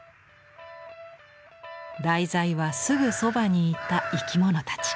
題材はすぐそばにいた生き物たち。